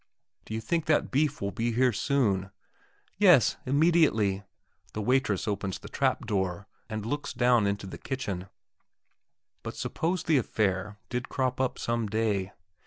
"Do you think that beef will soon be here?" "Yes; immediately"; the waitress opens the trapdoor, and looks down into the kitchen. But suppose the affair did crop up some day?